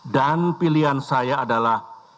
dan pilihan saya adalah